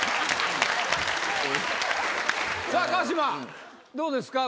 さぁ川島どうですか？